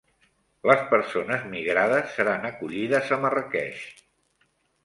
Les persones migrades seran acollides a Marràqueix